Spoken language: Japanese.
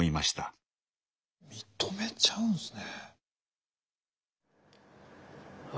認めちゃうんすね。